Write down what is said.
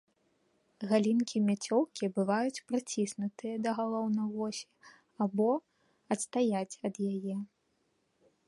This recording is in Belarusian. Галінкі мяцёлкі бываюць прыціснутыя да галоўнай восі або адстаяць ад яе.